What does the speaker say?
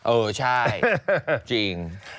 เออใช่จริง